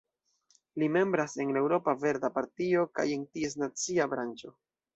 Li membras en la Eŭropa Verda Partio kaj en ties nacia branĉo.